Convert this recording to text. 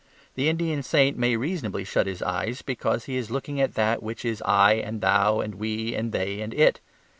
The Indian saint may reasonably shut his eyes because he is looking at that which is I and Thou and We and They and It.